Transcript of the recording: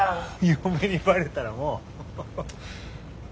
嫁にバレたらもう。